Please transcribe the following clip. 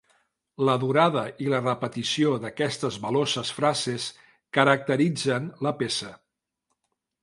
La durada i la repetició d'aquestes veloces frases caracteritzen la peça.